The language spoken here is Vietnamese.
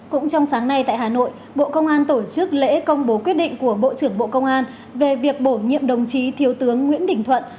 cũng trong sáng nay tại hà nội bộ công an tổ chức lễ công bố quyết định của bộ trưởng bộ công an về việc bổ nhiệm đồng chí thiếu tướng nguyễn đình thuận